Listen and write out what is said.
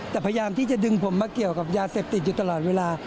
แต่พยายามที่จะดึงผมมาเกี่ยวกับยาเสพติดอยู่ตลอดเวลา